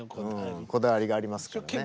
こだわりがありますからね。